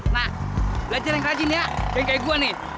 nah belajar yang rajin ya jangan kayak gua nih